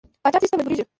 پاچا تېښتې ته مجبوریږي.